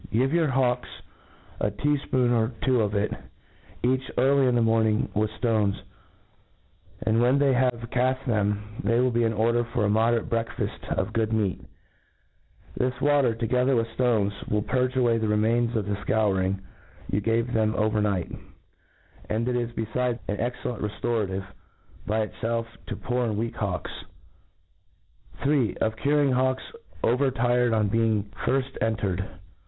Give your hawks a tea fpoonful or two of it, each, early in the morning, with ftones j and when they have caft them, they wifl be in order for a moderate breakfaft of good moat. This water, together with the ftoncs, will purge away the remains of the fcouring you gave them over night j and it is MO DERN FAXJLCONRY. 243 *^. is befidcs an excellent reftorativc, by itfelf, to poor and weak hawks. 3. Of Curing Hawks oveMired on being Jirfi en tered.